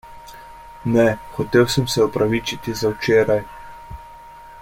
Ne, hotel sem se opravičiti za včeraj.